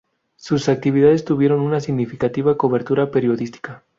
Sus actividades tuvieron una significativa cobertura periodística.